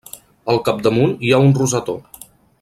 Al capdamunt hi ha un rosetó.